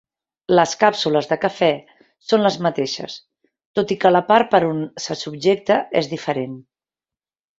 Les càpsules de cafè són les mateixes, tot i que la part per on se subjecta és diferent.